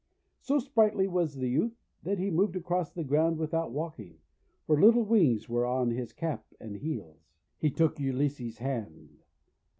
So sprightly was the youth that he moved across the ground without walking, for little wings were on his cap and heels. He took Ulysses' hand.